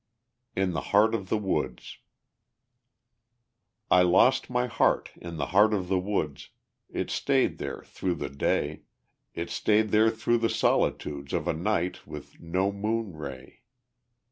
In the Heart of the Woods I lost my heart in the heart of the woods; It stayed there through the day, It stayed there through the solitudes Of a night with no moon ray.